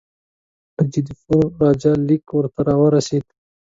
د جودپور راجا لیک ورته را ورسېد.